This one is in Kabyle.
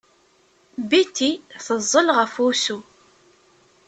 Betty teẓẓel ɣef wusu.